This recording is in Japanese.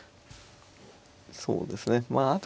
そうですねまあ